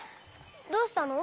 どうしたの？